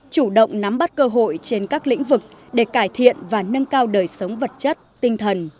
chủ động nắm bắt cơ hội trên các lĩnh vực để cải thiện và nâng cao đời sống vật chất tinh thần